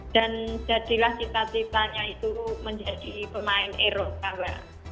dan jadilah cita citanya itu menjadi pemain eros mbak